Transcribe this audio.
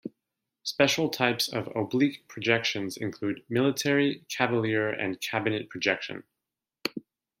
Special types of oblique projections include "military", "cavalier" and "cabinet projection".